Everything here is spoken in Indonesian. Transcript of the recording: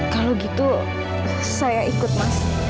kalau gitu saya ikut mas